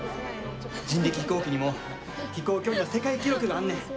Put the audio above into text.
人力飛行機にも飛行距離の世界記録があんねん。